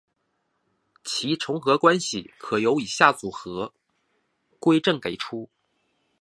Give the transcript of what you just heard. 其重合关系可由以下重合矩阵给出。